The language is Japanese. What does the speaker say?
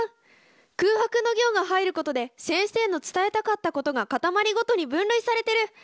空白の行が入ることで先生の伝えたかったことが固まりごとに分類されてる！